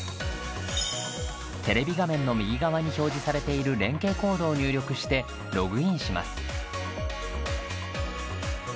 テレビ画面の右側に表示されている連携コードを入力してログインします。